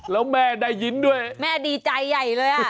แล้วแม่ได้ยินด้วยแม่ดีใจใหญ่เลยอ่ะ